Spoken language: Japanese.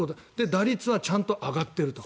打率はちゃんと上がってると。